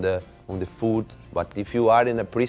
แต่มีคนพริกพริกอย่ากีนก็กิน๖ครั้ง